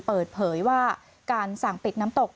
เปิดเผยว่าการสั่งปิดน้ำตก